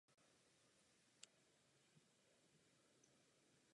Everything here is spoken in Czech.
Jde o rasu z Gamma kvadrantu řídící impérium zvané Dominion.